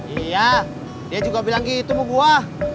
iya dia juga bilang gitu mau buah